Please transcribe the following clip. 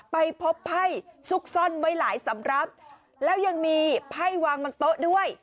ไปพบไพ่ซุกซ่อนไว้หลายสำรับแล้วยังมีไพ่วางบนโต๊ะด้วย